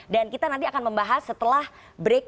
dan kita nanti akan membahas setelah break